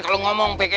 kalau ngomong peke